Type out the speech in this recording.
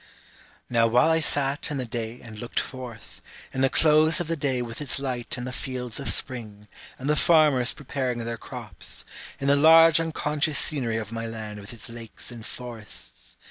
Now while I sat in the day and looked forth, In the close of the day with its light and the fields of spring, and the farmers preparing their crops, In the large unconscious scenery of my land with its lakes and forests.